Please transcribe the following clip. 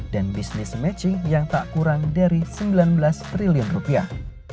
dan bisnis matching yang tak kurang dari sembilan belas triliun rupiah